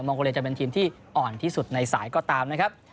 มองโกเลียจะเป็นทีมที่อ่อนที่สุดในสายก็ตาม